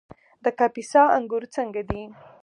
د کاپیسا انګور څنګه دي؟